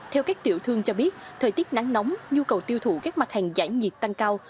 theo các tiểu thương cho biết thời tiết nắng nóng nhu cầu tiêu thụ các mặt hàng giải nhiệt tăng cao